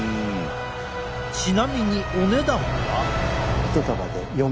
ちなみにお値段は。